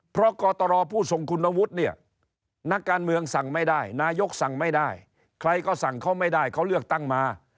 เพราะกตรผู้ทรงคุณวุฒิเนี่ยนักการเมืองสั่งไม่ได้นายกสั่งไม่ได้ใครก็สั่งเขาไม่ได้เขาเลือกตั้งมา